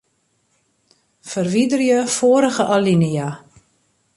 Ferwiderje foarige alinea.